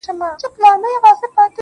ته باغ لري پټى لرې نو لاښ ته څه حاجت دى.